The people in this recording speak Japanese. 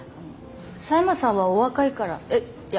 佐山さんはお若いからえいや